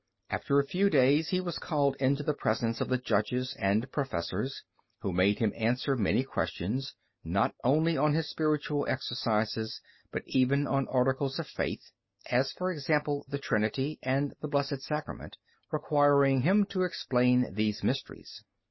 After a few days he was called into the presence of the judges and professors, who made him answer many questions, not only on his Spiritual Exercises, but even on articles of faith, as, for example, the Trinity and the Blessed Sacrament, requiring him to explain these mysteries.